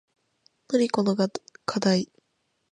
なにこのかだい